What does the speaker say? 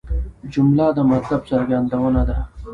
جمله د مطلب څرګندونه ده.